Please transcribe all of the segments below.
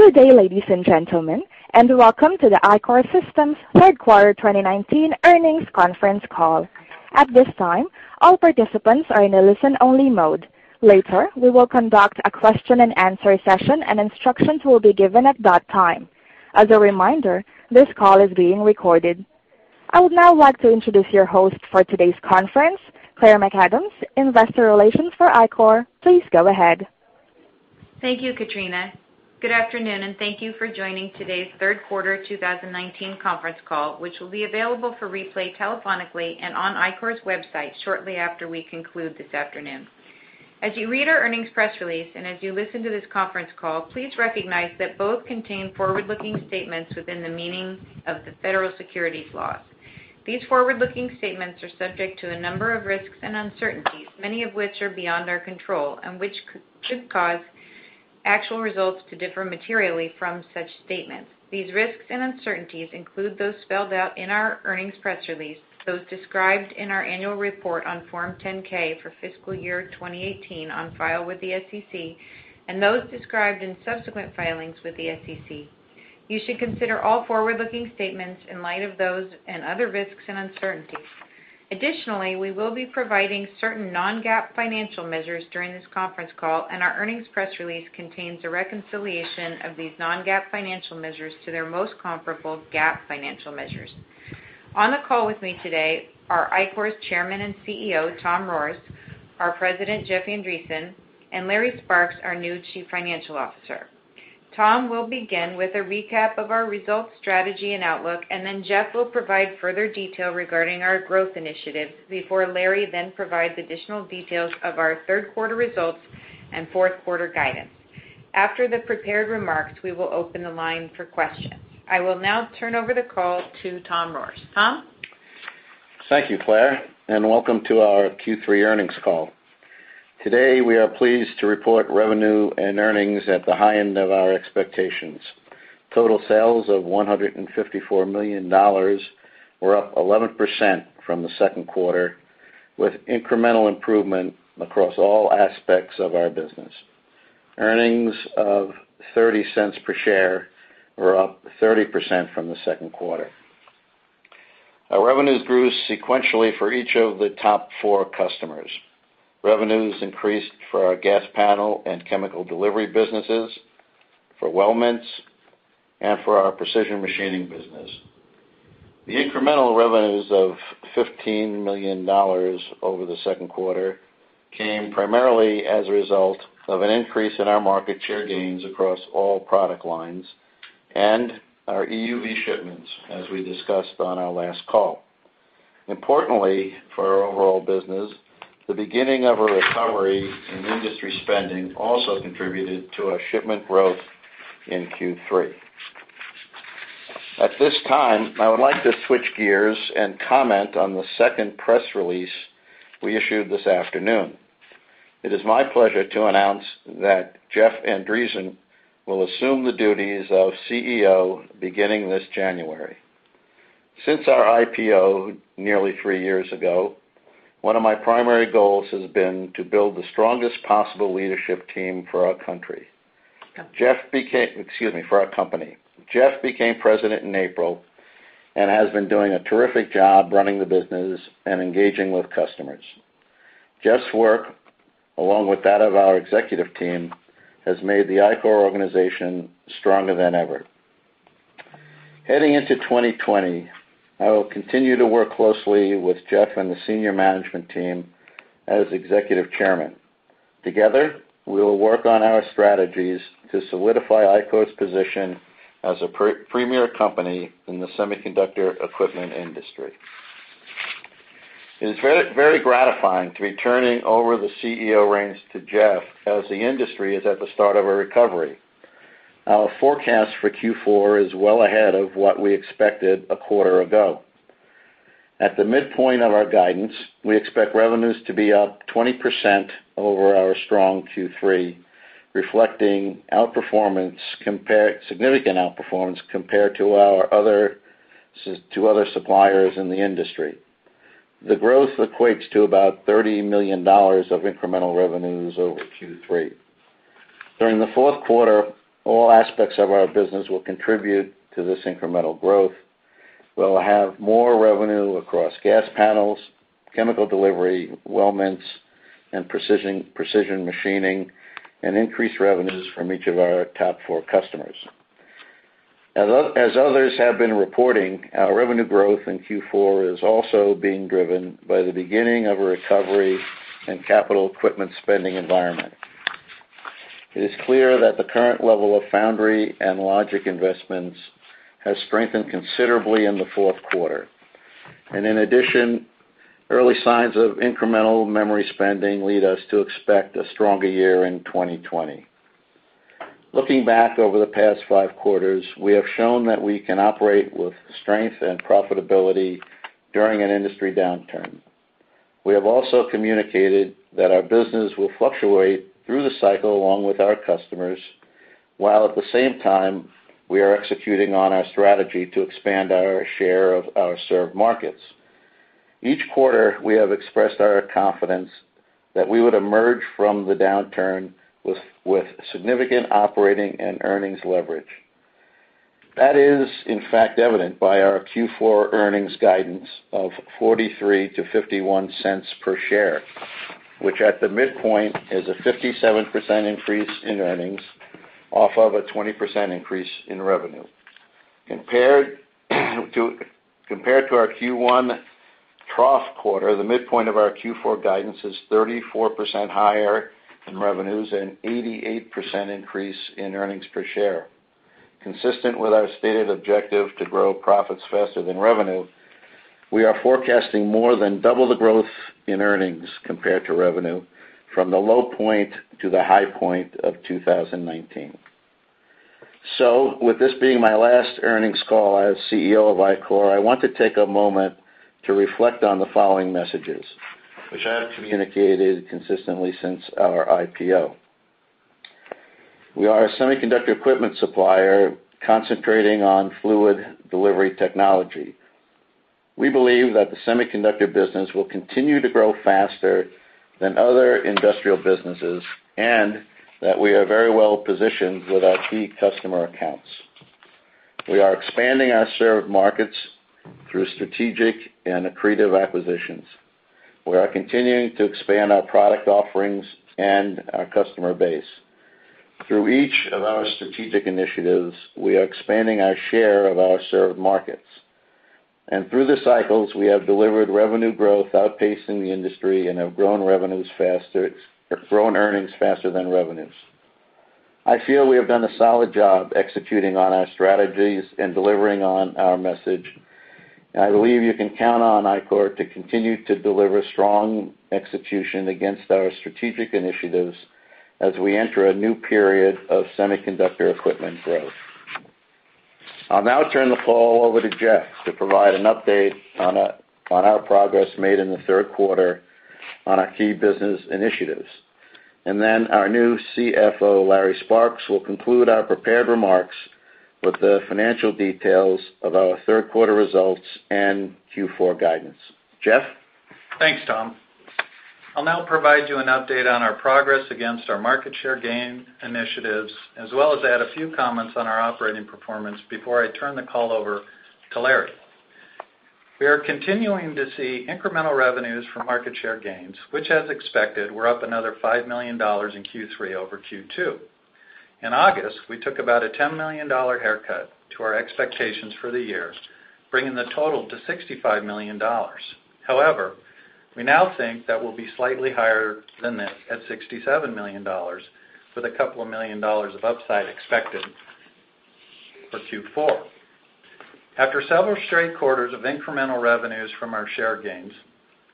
Good day, ladies and gentlemen, and welcome to the Ichor Holdings third quarter 2019 earnings conference call. At this time, all participants are in a listen-only mode. Later, we will conduct a question and answer session, and instructions will be given at that time. As a reminder, this call is being recorded. I would now like to introduce your host for today's conference, Claire McAdams, investor relations for Ichor. Please go ahead. Thank you, Katrina. Good afternoon, and thank you for joining today's third quarter 2019 conference call, which will be available for replay telephonically and on Ichor's website shortly after we conclude this afternoon. As you read our earnings press release, and as you listen to this conference call, please recognize that both contain forward-looking statements within the meaning of the Federal Securities laws. These forward-looking statements are subject to a number of risks and uncertainties, many of which are beyond our control, and which could cause actual results to differ materially from such statements. These risks and uncertainties include those spelled out in our earnings press release, those described in our annual report on Form 10-K for fiscal year 2018 on file with the SEC, and those described in subsequent filings with the SEC. You should consider all forward-looking statements in light of those and other risks and uncertainties. Additionally, we will be providing certain non-GAAP financial measures during this conference call, and our earnings press release contains a reconciliation of these non-GAAP financial measures to their most comparable GAAP financial measures. On the call with me today are Ichor's Chairman and CEO, Tom Rohrs, our President, Jeff Andreson, and Larry Sparks, our new Chief Financial Officer. Tom will begin with a recap of our results, strategy, and outlook, and then Jeff will provide further detail regarding our growth initiatives before Larry then provides additional details of our third quarter results and fourth quarter guidance. After the prepared remarks, we will open the line for questions. I will now turn over the call to Tom Rohrs. Tom? Thank you, Claire, welcome to our Q3 earnings call. Today, we are pleased to report revenue and earnings at the high end of our expectations. Total sales of $154 million were up 11% from the second quarter, with incremental improvement across all aspects of our business. Earnings of $0.30 per share were up 30% from the second quarter. Our revenues grew sequentially for each of the top four customers. Revenues increased for our gas panel and chemical delivery businesses, for weldments, and for our precision machining business. The incremental revenues of $15 million over the second quarter came primarily as a result of an increase in our market share gains across all product lines and our EUV shipments, as we discussed on our last call. Importantly for our overall business, the beginning of a recovery in industry spending also contributed to our shipment growth in Q3. At this time, I would like to switch gears and comment on the second press release we issued this afternoon. It is my pleasure to announce that Jeff Andreson will assume the duties of CEO beginning this January. Since our IPO nearly three years ago, one of my primary goals has been to build the strongest possible leadership team for our company. Excuse me. Jeff became President in April and has been doing a terrific job running the business and engaging with customers. Jeff's work, along with that of our executive team, has made the Ichor organization stronger than ever. Heading into 2020, I will continue to work closely with Jeff and the senior management team as Executive Chairman. Together, we will work on our strategies to solidify Ichor's position as a premier company in the semiconductor equipment industry. It is very gratifying to be turning over the CEO reins to Jeff as the industry is at the start of a recovery. Our forecast for Q4 is well ahead of what we expected a quarter ago. At the midpoint of our guidance, we expect revenues to be up 20% over our strong Q3, reflecting significant outperformance compared to other suppliers in the industry. The growth equates to about $30 million of incremental revenues over Q3. During the fourth quarter, all aspects of our business will contribute to this incremental growth. We'll have more revenue across gas panels, chemical delivery, weldments, and precision machining, and increased revenues from each of our top four customers. As others have been reporting, our revenue growth in Q4 is also being driven by the beginning of a recovery and capital equipment spending environment. It is clear that the current level of foundry and logic investments has strengthened considerably in the fourth quarter. In addition, early signs of incremental memory spending lead us to expect a stronger year in 2020. Looking back over the past 5 quarters, we have shown that we can operate with strength and profitability during an industry downturn. We have also communicated that our business will fluctuate through the cycle along with our customers, while at the same time, we are executing on our strategy to expand our share of our served markets. Each quarter, we have expressed our confidence that we would emerge from the downturn with significant operating and earnings leverage. That is, in fact, evident by our Q4 earnings guidance of $0.43-$0.51 per share, which at the midpoint is a 57% increase in earnings off of a 20% increase in revenue. Compared to our Q1 trough quarter, the midpoint of our Q4 guidance is 34% higher in revenues and 88% increase in earnings per share. Consistent with our stated objective to grow profits faster than revenue, we are forecasting more than double the growth in earnings compared to revenue from the low point to the high point of 2019. With this being my last earnings call as CEO of Ichor, I want to take a moment to reflect on the following messages, which I have communicated consistently since our IPO. We are a semiconductor equipment supplier concentrating on fluid delivery technology. We believe that the semiconductor business will continue to grow faster than other industrial businesses, and that we are very well positioned with our key customer accounts. We are expanding our served markets through strategic and accretive acquisitions. We are continuing to expand our product offerings and our customer base. Through each of our strategic initiatives, we are expanding our share of our served markets. Through the cycles, we have delivered revenue growth outpacing the industry and have grown earnings faster than revenues. I feel we have done a solid job executing on our strategies and delivering on our message. I believe you can count on Ichor to continue to deliver strong execution against our strategic initiatives as we enter a new period of semiconductor equipment growth. I'll now turn the call over to Jeff to provide an update on our progress made in the third quarter on our key business initiatives. Our new CFO, Larry Sparks, will conclude our prepared remarks with the financial details of our third quarter results and Q4 guidance. Jeff? Thanks, Tom. I'll now provide you an update on our progress against our market share gain initiatives, as well as add a few comments on our operating performance before I turn the call over to Larry. We are continuing to see incremental revenues from market share gains, which as expected, were up another $5 million in Q3 over Q2. In August, we took about a $10 million haircut to our expectations for the year, bringing the total to $65 million. However, we now think that we'll be slightly higher than this at $67 million, with $2 million of upside expected for Q4. After several straight quarters of incremental revenues from our share gains,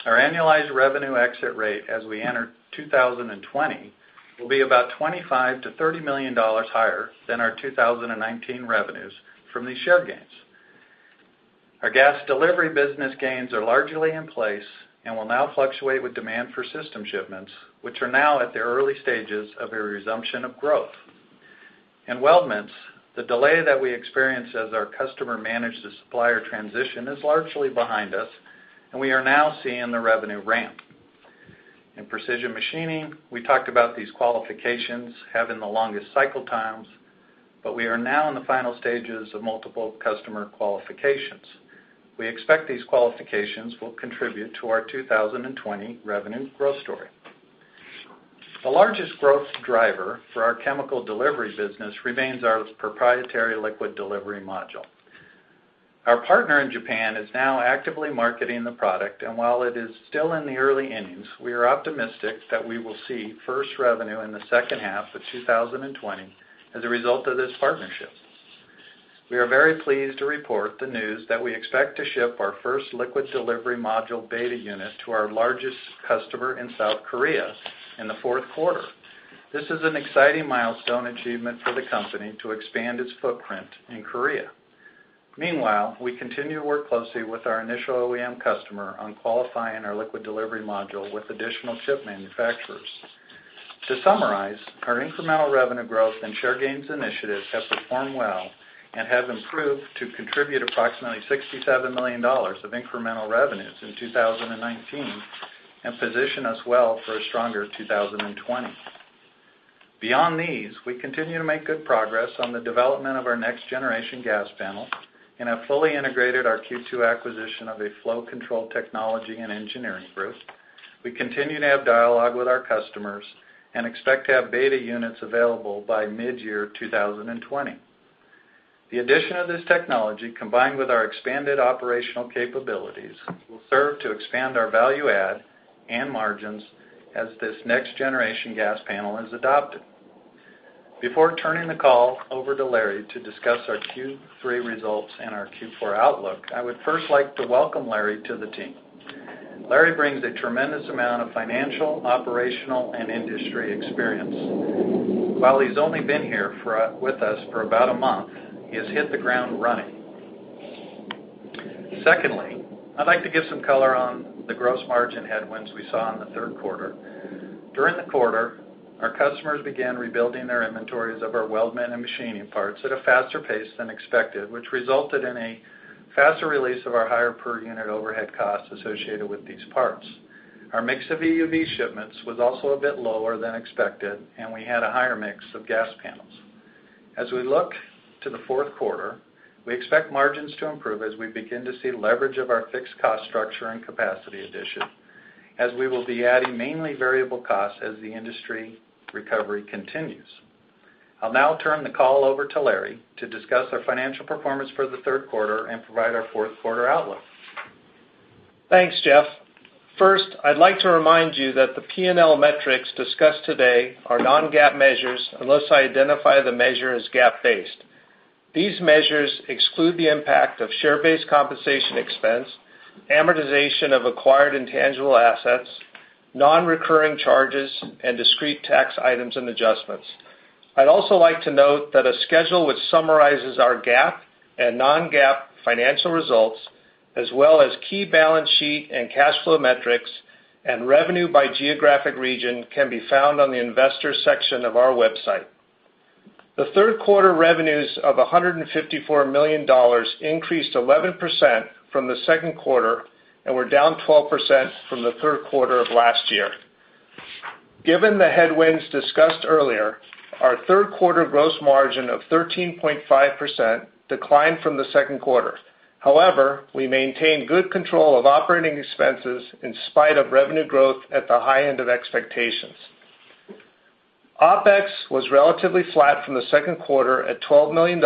our annualized revenue exit rate as we enter 2020 will be about $25 million-$30 million higher than our 2019 revenues from these share gains. Our gas delivery business gains are largely in place and will now fluctuate with demand for system shipments, which are now at the early stages of a resumption of growth. In weldments, the delay that we experienced as our customer managed the supplier transition is largely behind us, and we are now seeing the revenue ramp. In precision machining, we talked about these qualifications having the longest cycle times, but we are now in the final stages of multiple customer qualifications. We expect these qualifications will contribute to our 2020 revenue growth story. The largest growth driver for our chemical delivery business remains our proprietary liquid delivery module. Our partner in Japan is now actively marketing the product, and while it is still in the early innings, we are optimistic that we will see first revenue in the second half of 2020 as a result of this partnership. We are very pleased to report the news that we expect to ship our first liquid delivery module beta unit to our largest customer in South Korea in the fourth quarter. This is an exciting milestone achievement for the company to expand its footprint in Korea. Meanwhile, we continue to work closely with our initial OEM customer on qualifying our liquid delivery module with additional chip manufacturers. To summarize, our incremental revenue growth and share gains initiatives have performed well and have improved to contribute approximately $67 million of incremental revenues in 2019 and position us well for a stronger 2020. Beyond these, we continue to make good progress on the development of our next-generation gas panel and have fully integrated our Q2 acquisition of a flow control technology and engineering group. We continue to have dialogue with our customers and expect to have beta units available by mid-year 2020. The addition of this technology, combined with our expanded operational capabilities, will serve to expand our value add and margins as this next-generation gas panel is adopted. Before turning the call over to Larry to discuss our Q3 results and our Q4 outlook, I would first like to welcome Larry to the team. Larry brings a tremendous amount of financial, operational, and industry experience. While he's only been here with us for about a month, he has hit the ground running. Secondly, I'd like to give some color on the gross margin headwinds we saw in the third quarter. During the quarter, our customers began rebuilding their inventories of our weldment and machining parts at a faster pace than expected, which resulted in a faster release of our higher per unit overhead costs associated with these parts. Our mix of EUV shipments was also a bit lower than expected, and we had a higher mix of gas panels. As we look to the fourth quarter, we expect margins to improve as we begin to see leverage of our fixed cost structure and capacity addition, as we will be adding mainly variable costs as the industry recovery continues. I'll now turn the call over to Larry to discuss our financial performance for the third quarter and provide our fourth quarter outlook. Thanks, Jeff. First, I'd like to remind you that the P&L metrics discussed today are non-GAAP measures, unless I identify the measure as GAAP-based. These measures exclude the impact of share-based compensation expense, amortization of acquired intangible assets, non-recurring charges, and discrete tax items and adjustments. I'd also like to note that a schedule which summarizes our GAAP and non-GAAP financial results, as well as key balance sheet and cash flow metrics, and revenue by geographic region can be found on the investor section of our website. The third quarter revenues of $154 million increased 11% from the second quarter and were down 12% from the third quarter of last year. Given the headwinds discussed earlier, our third quarter gross margin of 13.5% declined from the second quarter. However, we maintained good control of operating expenses in spite of revenue growth at the high end of expectations. OPEX was relatively flat from the second quarter at $12 million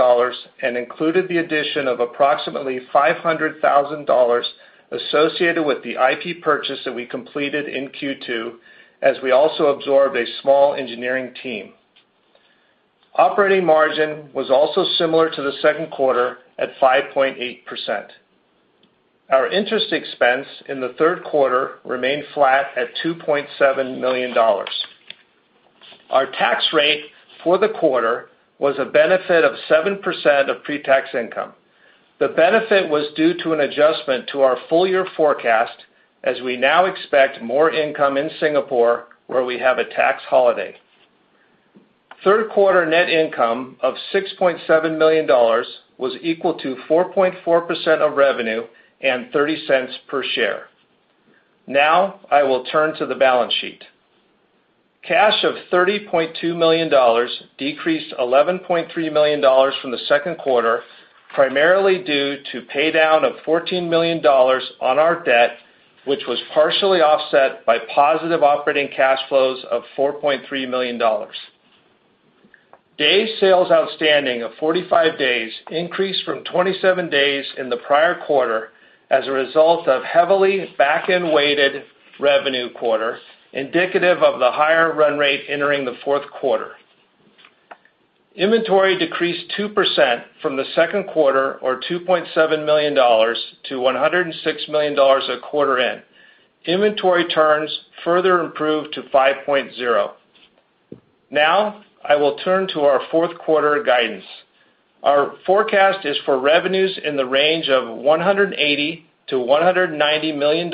and included the addition of approximately $500,000 associated with the IP purchase that we completed in Q2, as we also absorbed a small engineering team. Operating margin was also similar to the second quarter at 5.8%. Our interest expense in the third quarter remained flat at $2.7 million. Our tax rate for the quarter was a benefit of 7% of pre-tax income. The benefit was due to an adjustment to our full-year forecast, as we now expect more income in Singapore, where we have a tax holiday. Third quarter net income of $6.7 million was equal to 4.4% of revenue and $0.30 per share. Now, I will turn to the balance sheet. Cash of $30.2 million decreased $11.3 million from the second quarter, primarily due to pay-down of $14 million on our debt, which was partially offset by positive operating cash flows of $4.3 million. Days sales outstanding of 45 days increased from 27 days in the prior quarter as a result of heavily back-end-weighted revenue quarter, indicative of the higher run rate entering the fourth quarter. Inventory decreased 2% from the second quarter, or $2.7 million to $106 million a quarter in. Inventory turns further improved to 5.0. Now, I will turn to our fourth quarter guidance. Our forecast is for revenues in the range of $180 million-$190 million,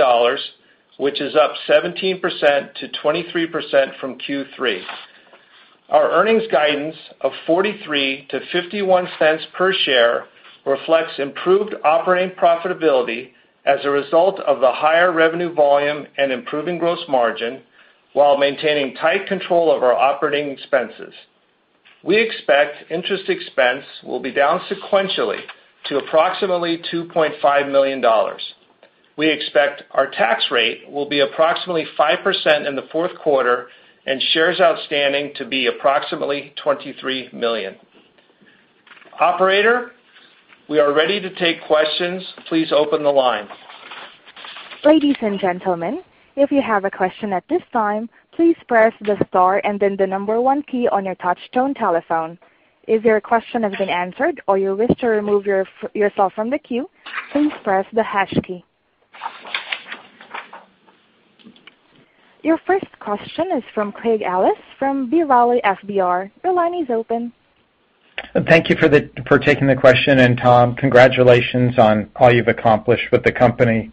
which is up 17%-23% from Q3. Our earnings guidance of $0.43-$0.51 per share reflects improved operating profitability as a result of the higher revenue volume and improving gross margin while maintaining tight control of our operating expenses. We expect interest expense will be down sequentially to approximately $2.5 million. We expect our tax rate will be approximately 5% in the fourth quarter and shares outstanding to be approximately 23 million. Operator, we are ready to take questions. Please open the line. Ladies and gentlemen, if you have a question at this time, please press the star and then the number one key on your touch tone telephone. If your question has been answered or you wish to remove yourself from the queue, please press the hash key. Your first question is from Craig Ellis from B. Riley FBR. Your line is open. Thank you for taking the question, and Tom, congratulations on all you've accomplished with the company.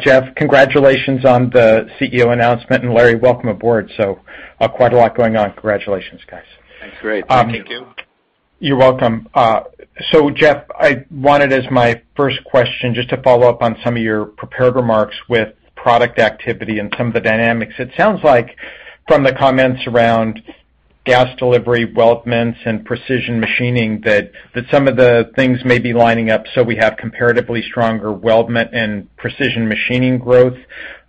Jeff, congratulations on the CEO announcement, and Larry, welcome aboard. Quite a lot going on. Congratulations, guys. That's great. Thank you. Thank you. You're welcome. Jeff, I wanted as my first question just to follow up on some of your prepared remarks with product activity and some of the dynamics. It sounds like from the comments around gas delivery, weldments, and precision machining, that some of the things may be lining up, so we have comparatively stronger weldment and precision machining growth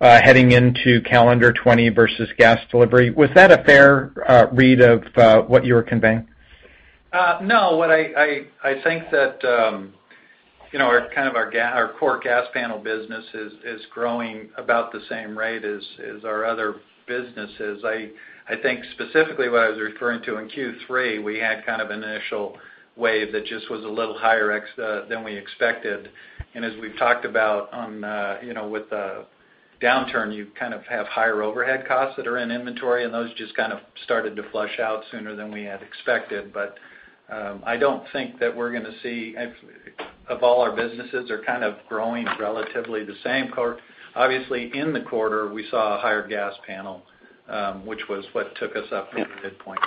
heading into calendar 2020 versus gas delivery. Was that a fair read of what you were conveying? No. I think that our core gas panel business is growing about the same rate as our other businesses. I think specifically what I was referring to in Q3, we had kind of an initial wave that just was a little higher than we expected. As we've talked about with the downturn, you have higher overhead costs that are in inventory, and those just started to flush out sooner than we had expected. I don't think that we're going to see Of all our businesses, they're kind of growing relatively the same. Obviously, in the quarter, we saw a higher gas panel, which was what took us up in the midpoint.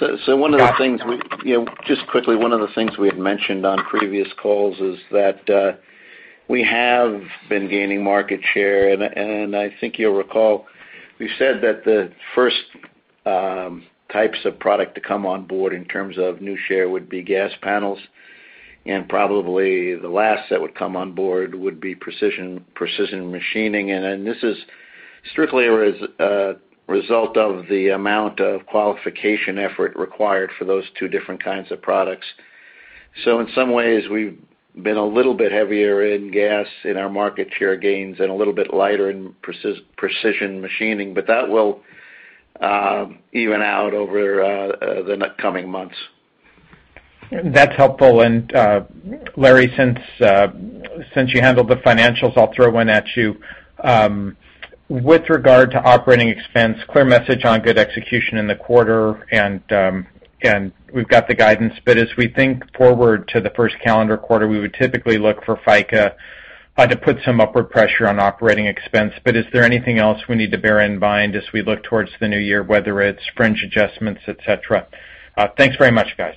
One of the things we-- Just quickly, one of the things we had mentioned on previous calls is that we have been gaining market share, and I think you'll recall, we said that the first types of product to come on board in terms of new share would be gas panels, and probably the last that would come on board would be precision machining. This is strictly a result of the amount of qualification effort required for those two different kinds of products. In some ways, we've been a little bit heavier in gas in our market share gains and a little bit lighter in precision machining, but that will even out over the coming months. That's helpful. Larry, since you handled the financials, I'll throw one at you. With regard to operating expense, clear message on good execution in the quarter, and we've got the guidance, but as we think forward to the first calendar quarter, we would typically look for FICA to put some upward pressure on operating expense. Is there anything else we need to bear in mind as we look towards the new year, whether it's fringe adjustments, et cetera? Thanks very much, guys.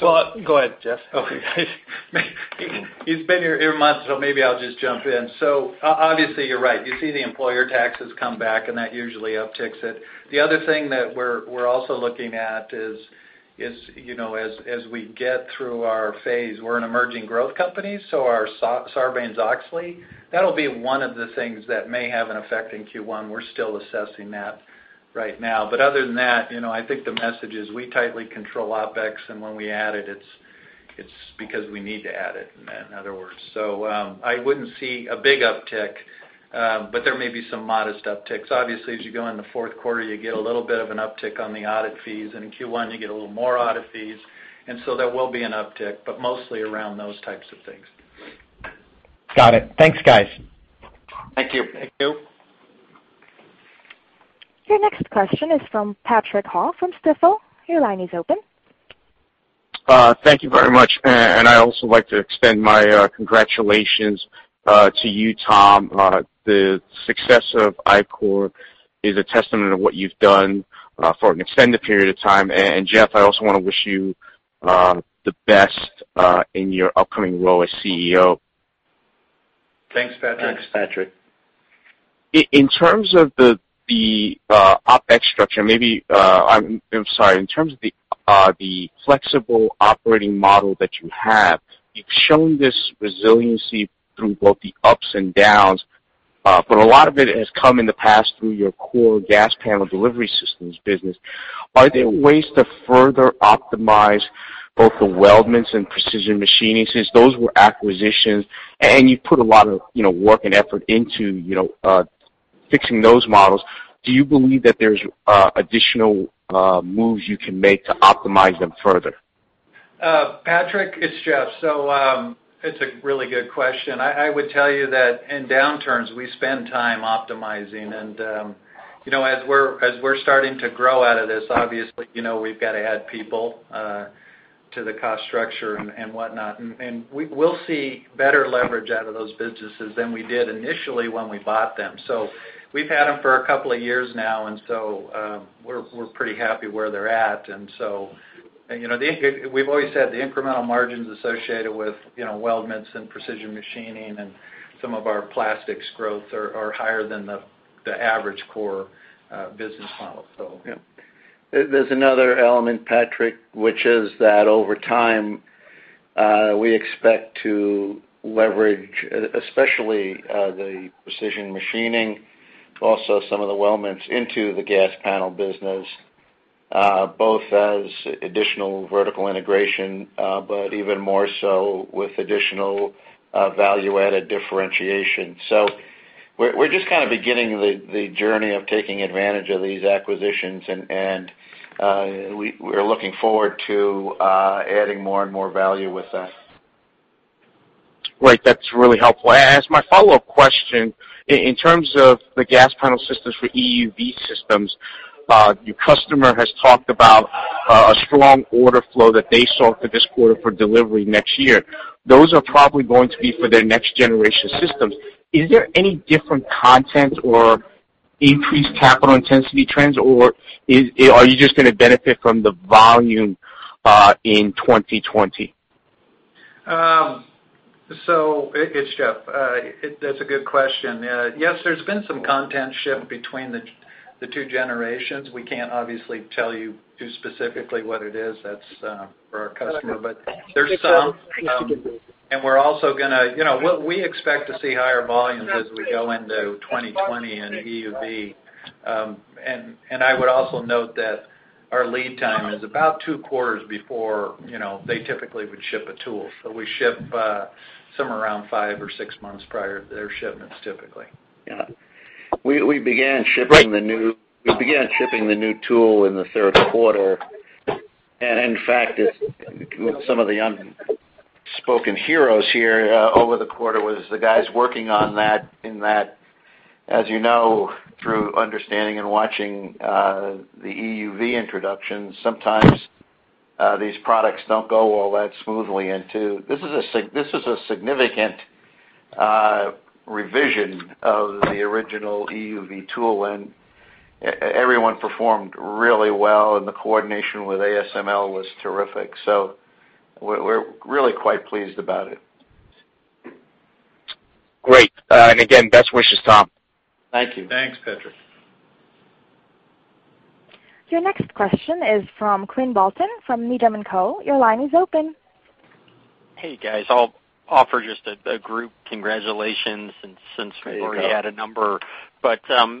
Go ahead, Jeff. Okay. He's been here a month, so maybe I'll just jump in. Obviously, you're right. You see the employer taxes come back, and that usually upticks it. The other thing that we're also looking at is as we get through our phase, we're an emerging growth company, so our Sarbanes-Oxley, that'll be one of the things that may have an effect in Q1. We're still assessing that right now. Other than that, I think the message is we tightly control OpEx, and when we add it's because we need to add it, in other words. I wouldn't see a big uptick, but there may be some modest upticks. Obviously, as you go in the fourth quarter, you get a little bit of an uptick on the audit fees. In Q1, you get a little more audit fees, and so there will be an uptick, but mostly around those types of things. Got it. Thanks, guys. Thank you. Thank you. Your next question is from Patrick Ho from Stifel. Your line is open. Thank you very much. I also like to extend my congratulations to you, Tom. The success of Ichor is a testament of what you've done for an extended period of time. Jeff, I also want to wish you the best in your upcoming role as CEO. Thanks, Patrick. Thanks, Patrick. In terms of the OpEx structure. In terms of the flexible operating model that you have, you've shown this resiliency through both the ups and downs. A lot of it has come in the past through your core gas panel delivery systems business. Are there ways to further optimize both the weldments and precision machining? Since those were acquisitions and you put a lot of work and effort into fixing those models, do you believe that there's additional moves you can make to optimize them further? Patrick, it's Jeff. It's a really good question. I would tell you that in downturns, we spend time optimizing. As we're starting to grow out of this, obviously, we've got to add people to the cost structure and whatnot. We'll see better leverage out of those businesses than we did initially when we bought them. We've had them for a couple of years now, and so we're pretty happy where they're at. We've always had the incremental margins associated with weldments and precision machining and some of our plastics growth are higher than the average core business model. Yeah. There's another element, Patrick, which is that over time, we expect to leverage, especially the precision machining, also some of the weldments into the gas panel business, both as additional vertical integration, but even more so with additional value-added differentiation. We're just kind of beginning the journey of taking advantage of these acquisitions, and we're looking forward to adding more and more value with that. Right. That's really helpful. I ask my follow-up question, in terms of the gas panel systems for EUV systems, your customer has talked about a strong order flow that they saw for this quarter for delivery next year. Those are probably going to be for their next generation systems. Is there any different content or increased capital intensity trends, or are you just going to benefit from the volume in 2020? It's Jeff. That's a good question. Yes, there's been some content shift between the two generations. We can't obviously tell you too specifically what it is. That's for our customer. There's some. We also expect to see higher volumes as we go into 2020 in EUV. I would also note that our lead time is about two quarters before they typically would ship a tool. We ship somewhere around five or six months prior to their shipments, typically. Yeah. We began shipping the new tool in the third quarter. In fact, with some of the unspoken heroes here over the quarter was the guys working on that, as you know, through understanding and watching the EUV introduction, sometimes these products don't go all that smoothly. This is a significant revision of the original EUV tool, and everyone performed really well, and the coordination with ASML was terrific. We're really quite pleased about it. Great. Again, best wishes, Tom. Thank you. Thanks, Patrick. Your next question is from Quinn Bolton from Needham & Company. Your line is open. Hey, guys. I'll offer just a group congratulations since- There you go. We've already had a number.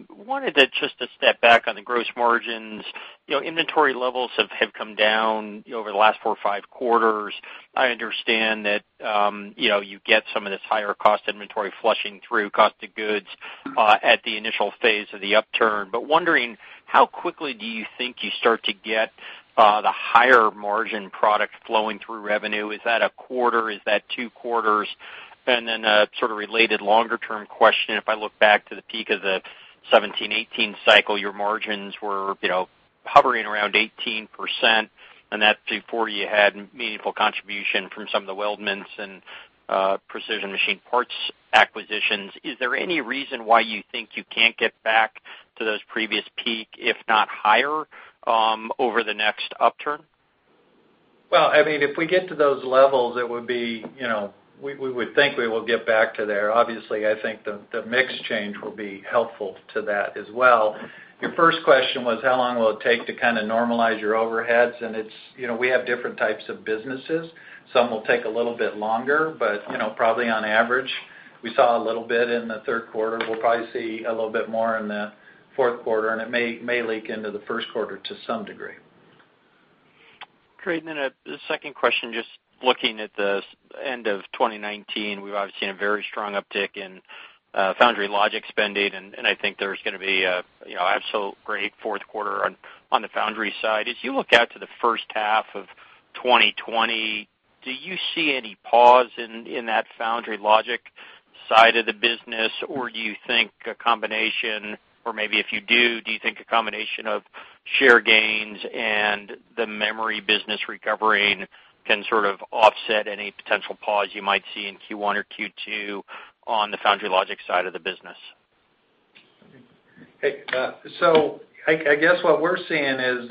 Wanted to just step back on the gross margins. Inventory levels have come down over the last four or five quarters. I understand that you get some of this higher cost inventory flushing through cost of goods at the initial phase of the upturn. Wondering, how quickly do you think you start to get the higher margin product flowing through revenue? Is that a quarter? Is that two quarters? Then a sort of related longer-term question, if I look back to the peak of the 2017, 2018 cycle, your margins were hovering around 18%, and that's before you had meaningful contribution from some of the weldments and precision machine parts acquisitions. Is there any reason why you think you can't get back to those previous peak, if not higher, over the next upturn? Well, if we get to those levels, we would think we will get back to there. Obviously, I think the mix change will be helpful to that as well. Your first question was how long will it take to kind of normalize your overheads, and we have different types of businesses. Some will take a little bit longer, but probably on average, we saw a little bit in the third quarter. We'll probably see a little bit more in the fourth quarter, and it may leak into the first quarter to some degree. Great. The second question, just looking at the end of 2019, we've obviously seen a very strong uptick in foundry logic spending, and I think there's going to be absolute great fourth quarter on the foundry side. As you look out to the first half of 2020, do you see any pause in that foundry logic side of the business, maybe if you do you think a combination of share gains and the memory business recovering can sort of offset any potential pause you might see in Q1 or Q2 on the foundry logic side of the business? Hey, I guess what we're seeing is,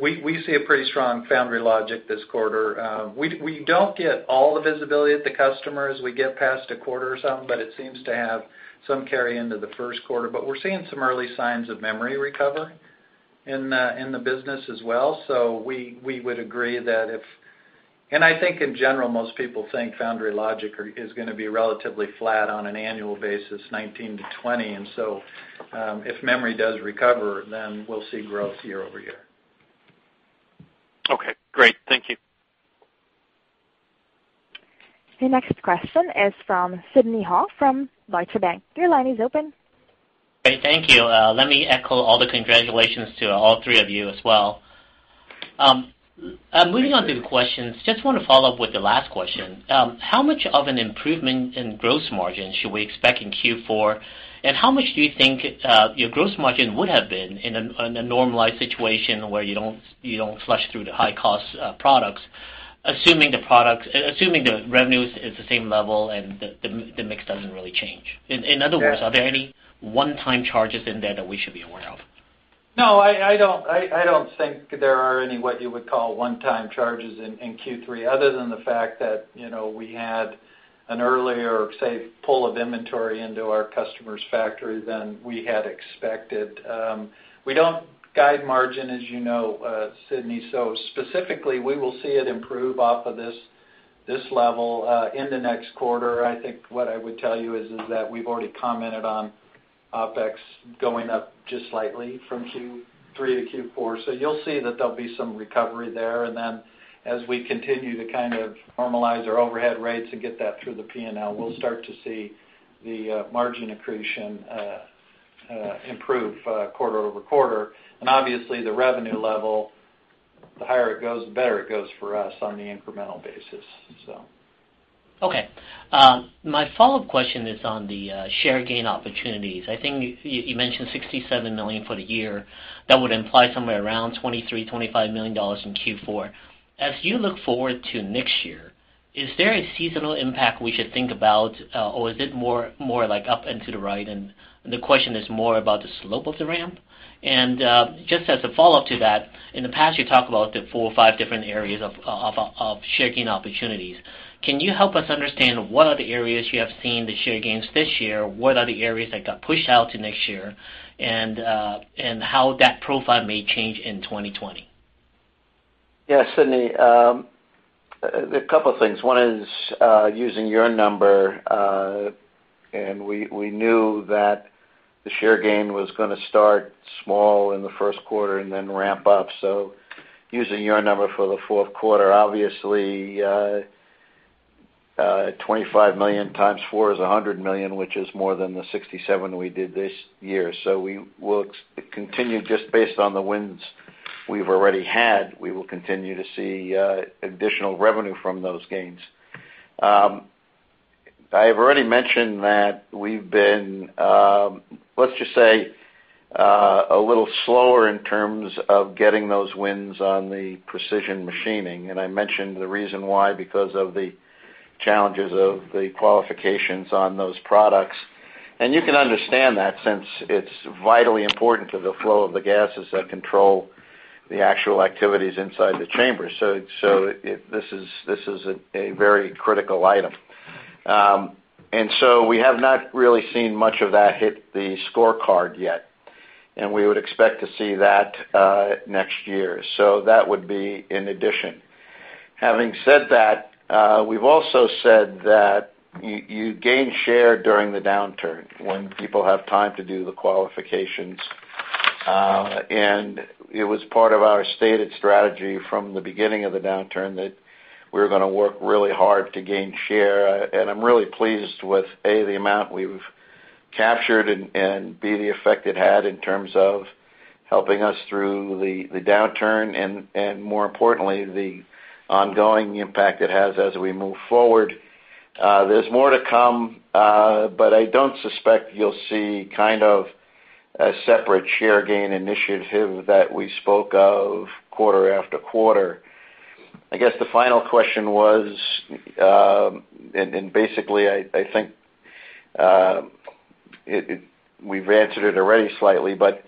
we see a pretty strong foundry logic this quarter. We don't get all the visibility at the customers. We get past a quarter or something, it seems to have some carry into the first quarter. We're seeing some early signs of memory recover in the business as well. We would agree that I think in general, most people think foundry logic is going to be relatively flat on an an annual basis, '19 to '20. If memory does recover, we'll see growth year-over-year. Okay, great. Thank you. Your next question is from Sidney Ho from Deutsche Bank. Your line is open. Great. Thank you. Let me echo all the congratulations to all three of you as well. Moving on to the questions, just want to follow up with the last question. How much of an improvement in gross margin should we expect in Q4? How much do you think your gross margin would have been in a normalized situation where you don't flush through the high-cost products, assuming the revenues is the same level, and the mix doesn't really change? Yeah Are there any one-time charges in there that we should be aware of? No, I don't think there are any, what you would call one-time charges in Q3, other than the fact that we had an earlier, say, pull of inventory into our customer's factory than we had expected. We don't guide margin, as you know, Sidney. Specifically, we will see it improve off of this level in the next quarter. I think what I would tell you is that we've already commented on OPEX going up just slightly from Q3 to Q4. You'll see that there'll be some recovery there, and then as we continue to kind of normalize our overhead rates and get that through the P&L, we'll start to see the margin accretion improve quarter-over-quarter. Obviously, the revenue level, the higher it goes, the better it goes for us on the incremental basis. Okay. My follow-up question is on the share gain opportunities. I think you mentioned $67 million for the year. That would imply somewhere around $23 million-$25 million in Q4. Is it more like up and to the right, and the question is more about the slope of the ramp? Just as a follow-up to that, in the past, you talked about the four or five different areas of share gain opportunities. Can you help us understand what are the areas you have seen the share gains this year? What are the areas that got pushed out to next year, and how that profile may change in 2020? Sidney, a couple things. One is, using your number, we knew that the share gain was going to start small in the first quarter and then ramp up. Using your number for the fourth quarter, obviously $25 million times 4 is $100 million, which is more than the $67 million we did this year. We will continue just based on the wins we've already had, we will continue to see additional revenue from those gains. I have already mentioned that we've been, let's just say, a little slower in terms of getting those wins on the precision machining, and I mentioned the reason why, because of the challenges of the qualifications on those products. You can understand that since it's vitally important to the flow of the gases that control the actual activities inside the chamber. This is a very critical item. We have not really seen much of that hit the scorecard yet, and we would expect to see that next year. That would be in addition. Having said that, we've also said that you gain share during the downturn when people have time to do the qualifications. It was part of our stated strategy from the beginning of the downturn that we were going to work really hard to gain share. I'm really pleased with, A, the amount we've captured, and B, the effect it had in terms of helping us through the downturn and more importantly, the ongoing impact it has as we move forward. There's more to come, but I don't suspect you'll see kind of a separate share gain initiative that we spoke of quarter after quarter. I guess the final question was, and basically, I think, we've answered it already slightly, but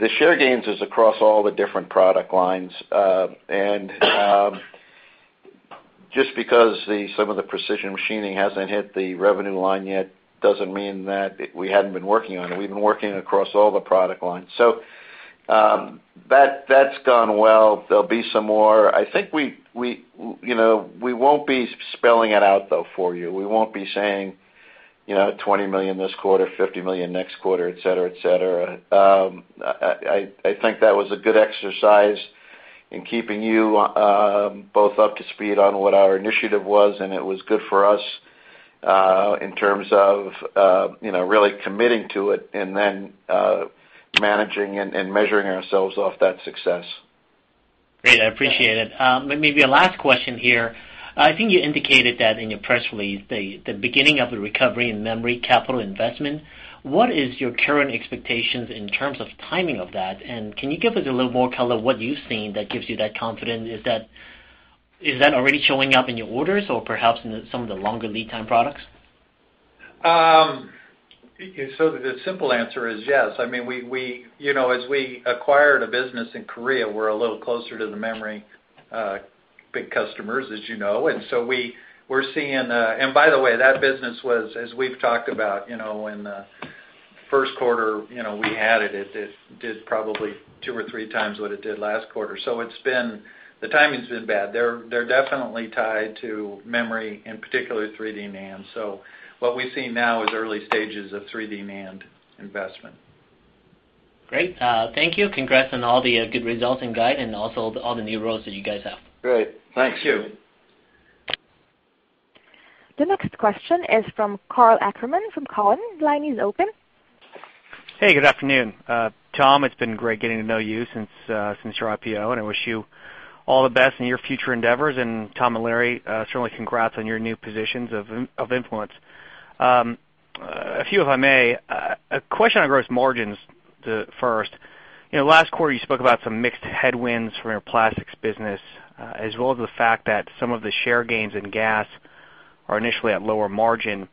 the share gains is across all the different product lines. Just because some of the precision machining hasn't hit the revenue line yet doesn't mean that we hadn't been working on it. We've been working across all the product lines. That's gone well. There'll be some more. I think we won't be spelling it out, though, for you. We won't be saying $20 million this quarter, $50 million next quarter, et cetera. I think that was a good exercise in keeping you both up to speed on what our initiative was, and it was good for us in terms of really committing to it and then managing and measuring ourselves off that success. Great. I appreciate it. Maybe a last question here. I think you indicated that in your press release, the beginning of a recovery in memory capital investment. What is your current expectations in terms of timing of that? Can you give us a little more color what you've seen that gives you that confidence? Is that already showing up in your orders or perhaps in some of the longer lead time products? The simple answer is yes. As we acquired a business in Korea, we're a little closer to the memory big customers, as you know. By the way, that business was, as we've talked about, in the first quarter, we had it. It did probably two or three times what it did last quarter. The timing's been bad. They're definitely tied to memory, in particular 3D NAND. What we see now is early stages of 3D NAND investment. Great. Thank you. Congrats on all the good results and guide and also all the new roles that you guys have. Great. Thanks. Thank you. The next question is from Karl Ackerman from Cowen. The line is open. Hey, good afternoon. Tom, it's been great getting to know you since your IPO, and I wish you all the best in your future endeavors. Tom and Larry, certainly congrats on your new positions of influence. A few, if I may. A question on gross margins first. Last quarter, you spoke about some mixed headwinds from your plastics business, as well as the fact that some of the share gains in gas are initially at lower margin.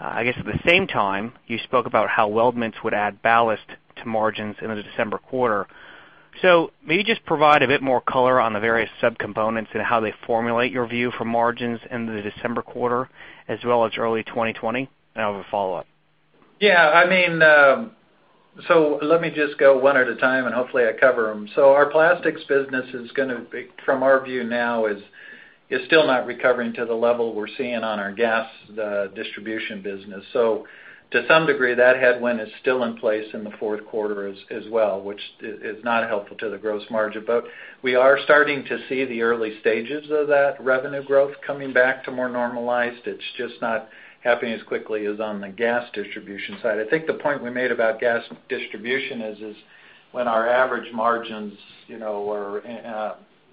I guess at the same time, you spoke about how weldments would add ballast to margins in the December quarter. May you just provide a bit more color on the various subcomponents and how they formulate your view for margins in the December quarter as well as early 2020? I have a follow-up. Yeah. Let me just go one at a time and hopefully I cover them. Our plastics business is going to be, from our view now, is still not recovering to the level we're seeing on our gas distribution business. To some degree, that headwind is still in place in the fourth quarter as well, which is not helpful to the gross margin. We are starting to see the early stages of that revenue growth coming back to more normalized. It's just not happening as quickly as on the gas distribution side. I think the point we made about gas distribution is when our average margins were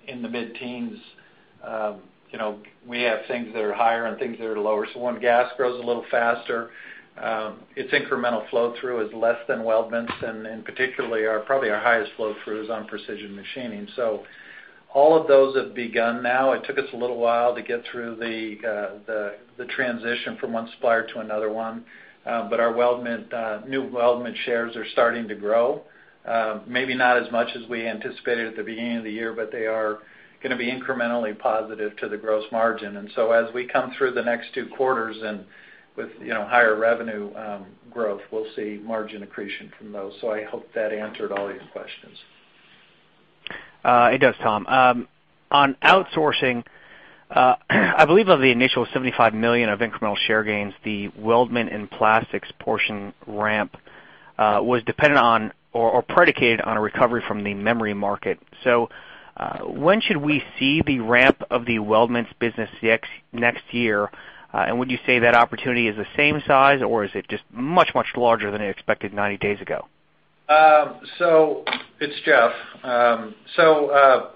in the mid-teens, we have things that are higher and things that are lower. When gas grows a little faster, its incremental flow-through is less than weldments and particularly probably our highest flow-through is on precision machining. All of those have begun now. It took us a little while to get through the transition from one supplier to another one. Our new weldment shares are starting to grow. Maybe not as much as we anticipated at the beginning of the year, but they are going to be incrementally positive to the gross margin. As we come through the next 2 quarters and with higher revenue growth, we'll see margin accretion from those. I hope that answered all your questions. It does, Tom. On outsourcing, I believe of the initial $75 million of incremental share gains, the weldment and plastics portion ramp was dependent on or predicated on a recovery from the memory market. When should we see the ramp of the weldments business next year, and would you say that opportunity is the same size, or is it just much, much larger than expected 90 days ago? It's Jeff.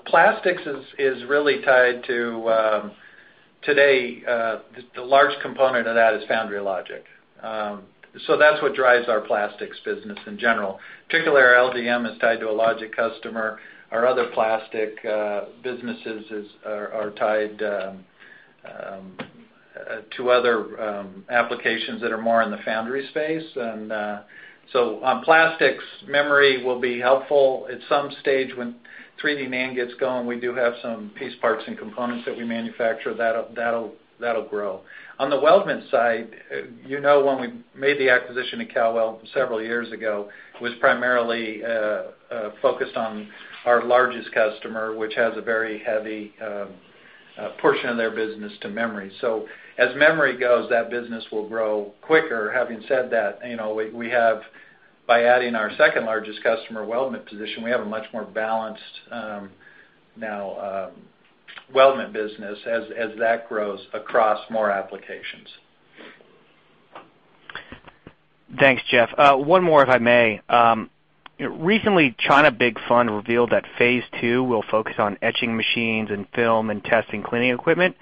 Plastics is really tied to today, the large component of that is Foundry Logic. That's what drives our plastics business in general. Particularly our LDM is tied to a logic customer. Our other plastic businesses are tied to other applications that are more in the foundry space. On plastics, memory will be helpful at some stage when 3D NAND gets going, we do have some piece parts and components that we manufacture, that'll grow. On the weldment side, you know when we made the acquisition of Cal-Weld several years ago, it was primarily focused on our largest customer, which has a very heavy portion of their business to memory. As memory goes, that business will grow quicker. Having said that, by adding our second-largest customer weldment position, we have a much more balanced now weldment business as that grows across more applications. Thanks, Jeff. One more, if I may. Recently, China Big Fund revealed that phase two will focus on etching machines and film and test and cleaning equipment.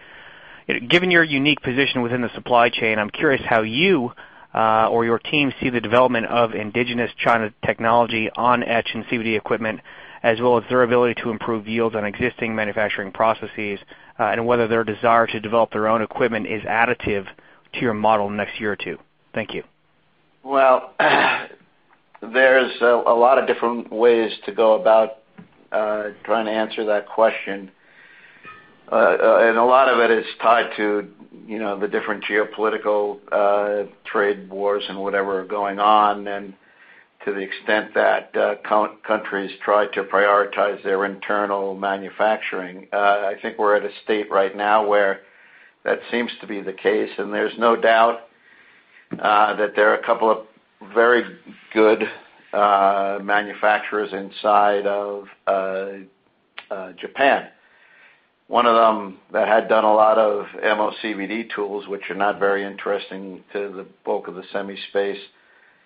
Given your unique position within the supply chain, I'm curious how you, or your team see the development of indigenous China technology on etch and CVD equipment, as well as their ability to improve yields on existing manufacturing processes, and whether their desire to develop their own equipment is additive to your model in the next year or two. Thank you. Well, there's a lot of different ways to go about trying to answer that question. A lot of it is tied to the different geopolitical trade wars and whatever are going on, and to the extent that countries try to prioritize their internal manufacturing. I think we're at a state right now where that seems to be the case, and there's no doubt that there are a couple of very good manufacturers inside of Japan. One of them that had done a lot of MOCVD tools, which are not very interesting to the bulk of the semi space,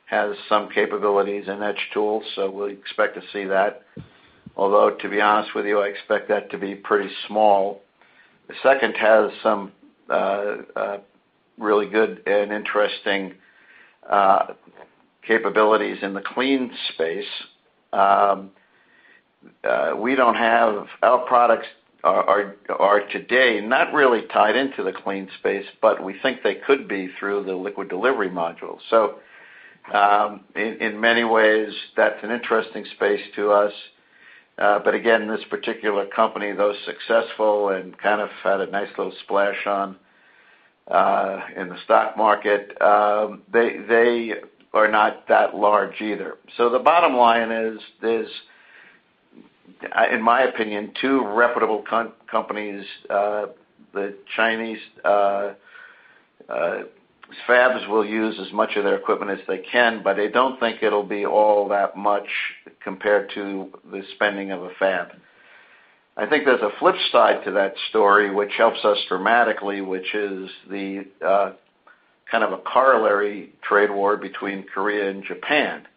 has some capabilities in etch tools, so we'll expect to see that. To be honest with you, I expect that to be pretty small. The second has some really good and interesting capabilities in the clean space. Our products are today not really tied into the clean space, but we think they could be through the liquid delivery module. In many ways, that's an interesting space to us. Again, this particular company, though successful and kind of had a nice little splash on in the stock market, they are not that large either. The bottom line is there's, in my opinion, two reputable companies, the Chinese fabs will use as much of their equipment as they can, but I don't think it'll be all that much compared to the spending of a fab. I think there's a flip side to that story, which helps us dramatically, which is the kind of a corollary trade war between Korea and Japan.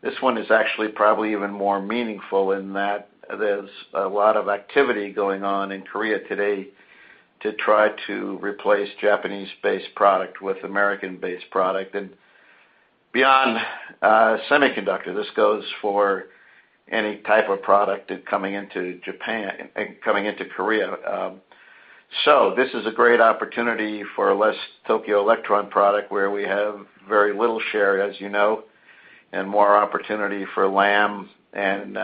This one is actually probably even more meaningful in that there's a lot of activity going on in Korea today to try to replace Japanese-based product with American-based product. Beyond semiconductor, this goes for any type of product coming into Korea. This is a great opportunity for a less Tokyo Electron product, where we have very little share, as you know, and more opportunity for Lam and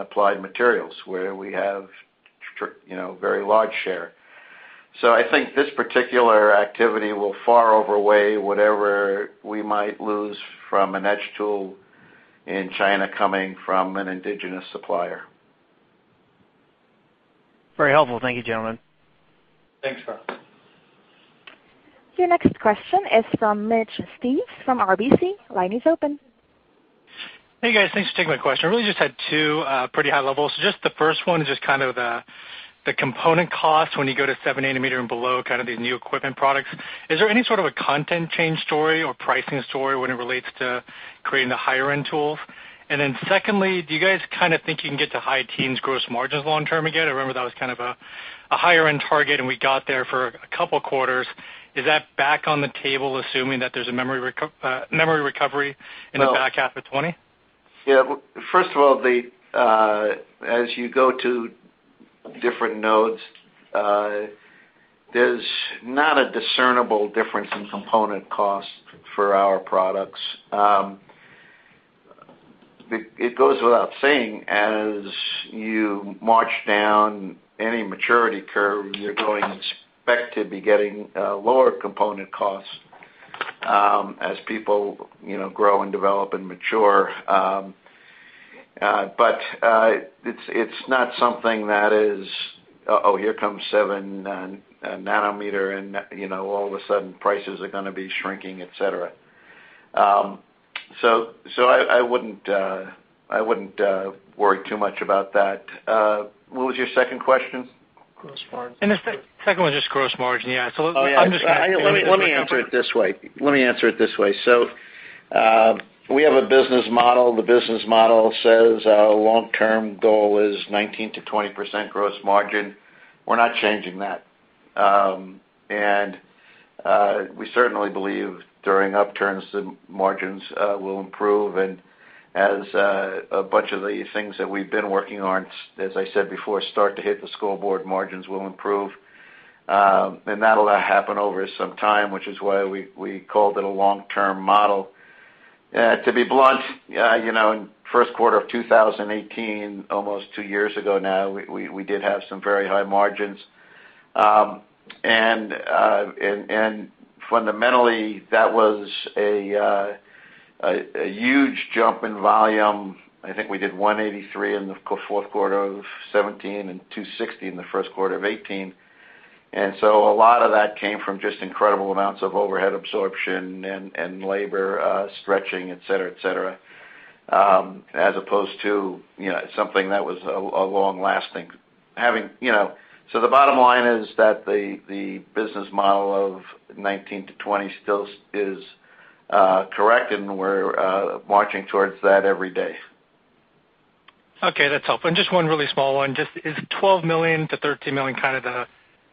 Applied Materials, where we have very large share. I think this particular activity will far outweigh whatever we might lose from an etch tool in China coming from an indigenous supplier. Very helpful. Thank you, gentlemen. Thanks, Karl. Your next question is from Mitch Steves from RBC. Line is open. Hey, guys. Thanks for taking my question. I really just had two pretty high levels. The first one is the component cost when you go to 7 nanometer and below, the new equipment products. Is there any sort of a content change story or pricing story when it relates to creating the higher-end tools? Secondly, do you guys think you can get to high teens gross margins long term again? I remember that was a higher-end target, and we got there for a couple of quarters. Is that back on the table, assuming that there's a memory recovery in the back half of 2020? First of all, as you go to different nodes, there's not a discernible difference in component cost for our products. It goes without saying, as you march down any maturity curve, you're going to expect to be getting lower component costs as people grow and develop and mature. It's not something that is, uh-oh, here comes 7 nanometer and all of a sudden prices are going to be shrinking, et cetera. I wouldn't worry too much about that. What was your second question? Gross margin. The second one is just gross margin. Yeah. Let me answer it this way. We have a business model. The business model says our long-term goal is 19%-20% gross margin. We're not changing that. We certainly believe during upturns, the margins will improve. As a bunch of the things that we've been working on, as I said before, start to hit the scoreboard, margins will improve. That'll happen over some time, which is why we called it a long-term model. To be blunt, in the first quarter of 2018, almost two years ago now, we did have some very high margins. Fundamentally, that was a huge jump in volume. I think we did 183 in the fourth quarter of 2017 and 260 in the first quarter of 2018. A lot of that came from just incredible amounts of overhead absorption and labor stretching, et cetera, as opposed to something that was long-lasting. The bottom line is that the business model of 2019 to 2020 still is correct, and we're marching towards that every day. Okay, that's helpful. Just one really small one. Just is $12 million-$13 million kind of the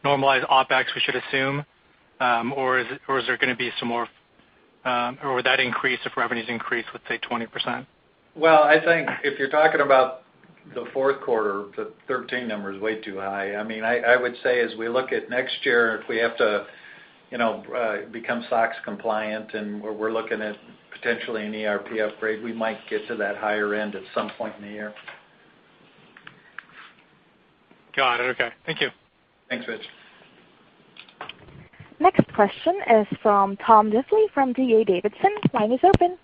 normalized OpEx we should assume, or is there going to be some more, or would that increase if revenues increase with, say, 20%? Well, I think if you're talking about the fourth quarter, the 13 number is way too high. I would say as we look at next year, if we have to become SOX compliant, and we're looking at potentially an ERP upgrade, we might get to that higher end at some point in the year. Got it. Okay. Thank you. Thanks, Mitch. Next question is from Tom Diffely from D.A. Davidson. Line is open.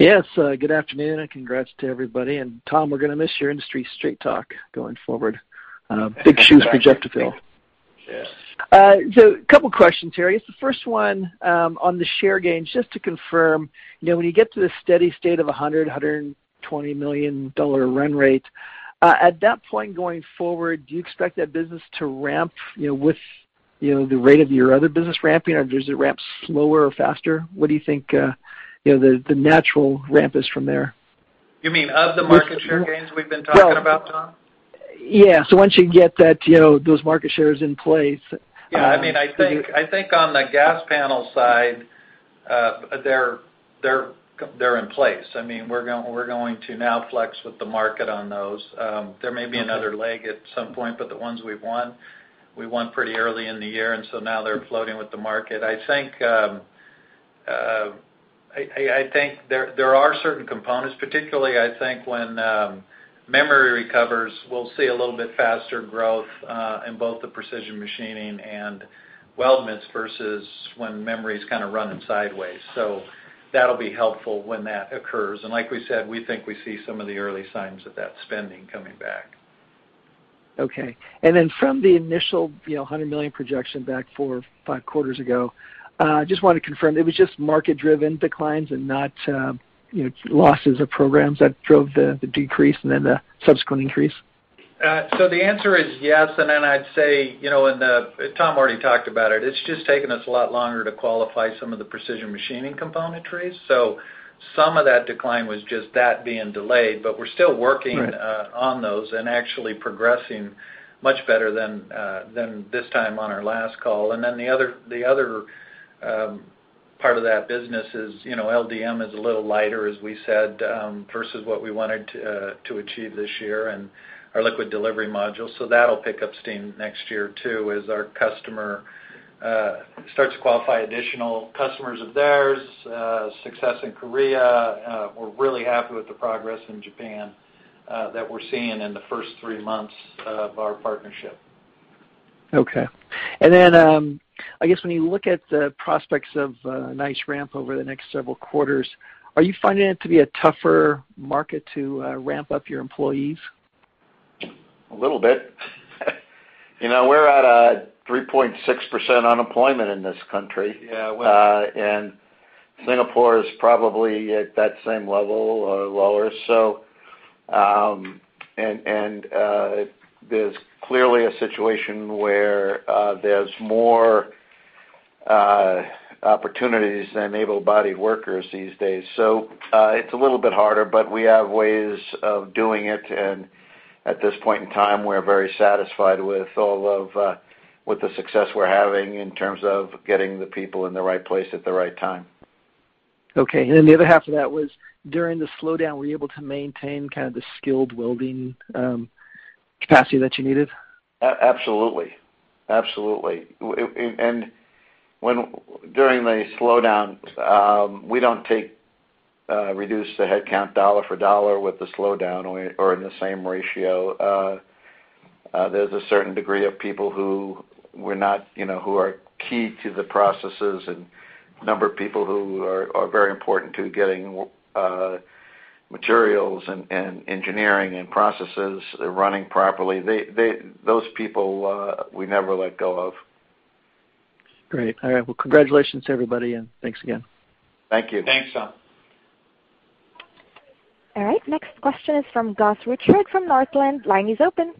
Yes. Good afternoon, and congrats to everybody. Tom, we're going to miss your industry straight talk going forward. Big shoes for Jeff to fill. Yeah. A couple of questions, Larry. The first one on the share gains, just to confirm, when you get to the steady state of $100 million-$120 million run rate, at that point going forward, do you expect that business to ramp with the rate of your other business ramping, or does it ramp slower or faster? What do you think the natural ramp is from there? You mean of the market share gains we've been talking about, Tom? Yeah. Once you get those market shares in place. Yeah, I think on the gas panel side, they're in place. We're going to now flex with the market on those. There may be another leg at some point, but the ones we've won, we won pretty early in the year, and so now they're floating with the market. I think there are certain components, particularly I think when memory recovers, we'll see a little bit faster growth in both the precision machining and weldments versus when memory's kind of running sideways. That'll be helpful when that occurs. Like we said, we think we see some of the early signs of that spending coming back. Okay. From the initial $100 million projection back four or five quarters ago, just want to confirm, it was just market-driven declines and not losses of programs that drove the decrease and then the subsequent increase? The answer is yes, then I'd say, Tom already talked about it. It's just taken us a lot longer to qualify some of the precision machining componentries. Some of that decline was just that being delayed, but we're still working. Right On those and actually progressing much better than this time on our last call. The other part of that business is LDM is a little lighter, as we said, versus what we wanted to achieve this year in our liquid delivery module. That'll pick up steam next year, too, as our customer starts to qualify additional customers of theirs, success in Korea. We're really happy with the progress in Japan that we're seeing in the first three months of our partnership. Okay. Then I guess when you look at the prospects of a nice ramp over the next several quarters, are you finding it to be a tougher market to ramp up your employees? A little bit. We're at a 3.6% unemployment in this country. Yeah. Singapore is probably at that same level or lower. There's clearly a situation where there's more opportunities than able-bodied workers these days. It's a little bit harder, but we have ways of doing it, and at this point in time, we're very satisfied with the success we're having in terms of getting the people in the right place at the right time. Okay. Then the other half of that was during the slowdown, were you able to maintain kind of the skilled welding capacity that you needed? Absolutely. During the slowdown, we don't reduce the headcount dollar for dollar with the slowdown or in the same ratio. There's a certain degree of people who are key to the processes and a number of people who are very important to getting materials and engineering and processes running properly. Those people we never let go of. Great. All right. Well, congratulations, everybody, and thanks again. Thank you. Thanks, Tom. All right. Next question is from Gus Richard from Northland. Line is open.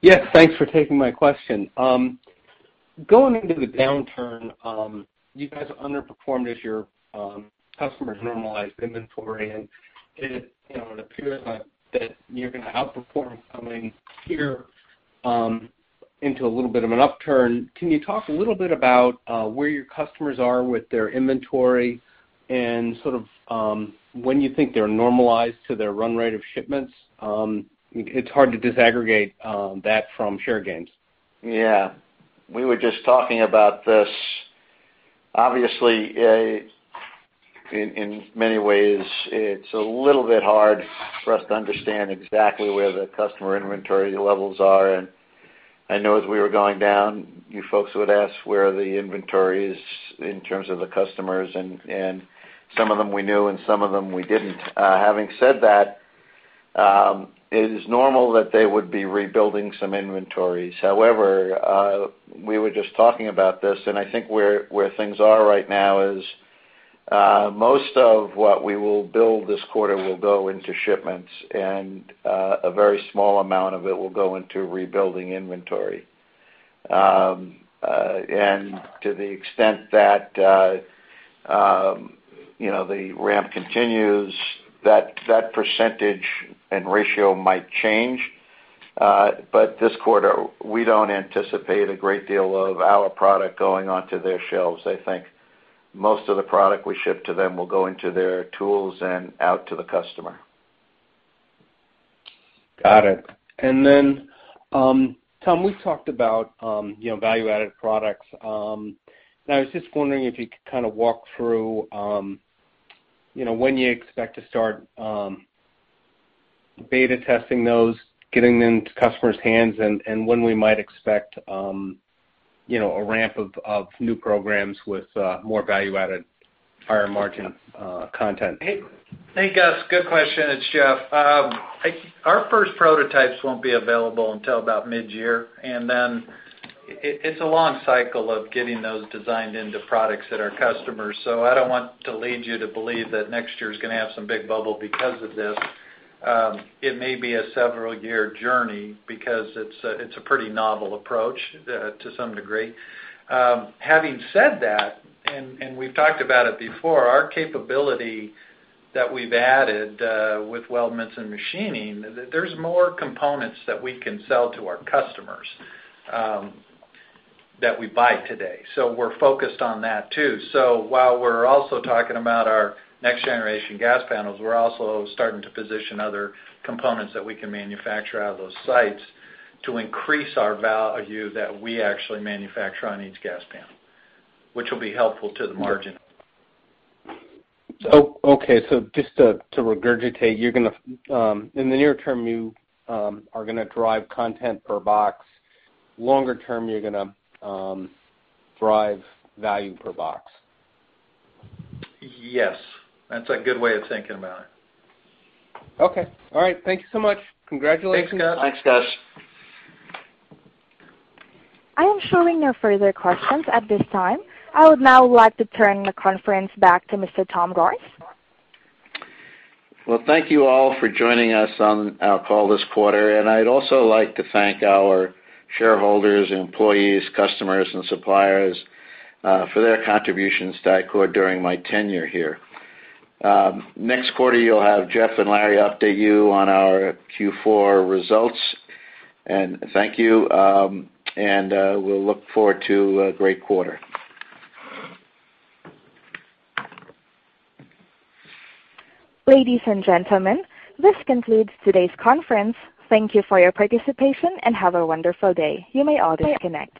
Yes, thanks for taking my question. Going into the downturn, you guys underperformed as your customers normalized inventory, and it appears that you're going to outperform coming here into a little bit of an upturn. Can you talk a little bit about where your customers are with their inventory and sort of when you think they're normalized to their run rate of shipments? It's hard to disaggregate that from share gains. Yeah. We were just talking about this. Obviously, in many ways, it's a little bit hard for us to understand exactly where the customer inventory levels are. I know as we were going down, you folks would ask where the inventory is in terms of the customers, and some of them we knew, and some of them we didn't. Having said that, it is normal that they would be rebuilding some inventories. However, we were just talking about this, and I think where things are right now is most of what we will build this quarter will go into shipments, and a very small amount of it will go into rebuilding inventory. To the extent that the ramp continues, that percentage and ratio might change. This quarter, we don't anticipate a great deal of our product going onto their shelves. I think most of the product we ship to them will go into their tools and out to the customer. Got it. Tom, we've talked about value-added products. I was just wondering if you could kind of walk through when you expect to start beta testing those, getting them into customers' hands, and when we might expect a ramp of new programs with more value-added, higher margin content. Hey, Gus. Good question. It's Jeff. Our first prototypes won't be available until about mid-year, and then it's a long cycle of getting those designed into products at our customers. I don't want to lead you to believe that next year's going to have some big bubble because of this. It may be a several-year journey because it's a pretty novel approach to some degree. Having said that, and we've talked about it before, our capability that we've added with weldments and machining, there's more components that we can sell to our customers that we buy today. We're focused on that, too. While we're also talking about our next-generation gas panels, we're also starting to position other components that we can manufacture out of those sites to increase our value that we actually manufacture on each gas panel, which will be helpful to the margin. Okay. Just to regurgitate, in the near term, you are going to drive content per box. Longer term, you're going to drive value per box. Yes. That's a good way of thinking about it. Okay. All right. Thank you so much. Congratulations. Thanks, Gus. Thanks, Gus. I am showing no further questions at this time. I would now like to turn the conference back to Mr. Tom Rohrs. Well, thank you all for joining us on our call this quarter. I'd also like to thank our shareholders, employees, customers, and suppliers for their contributions to Ichor during my tenure here. Next quarter, you'll have Jeff and Larry update you on our Q4 results. Thank you, and we'll look forward to a great quarter. Ladies and gentlemen, this concludes today's conference. Thank you for your participation, and have a wonderful day. You may all disconnect.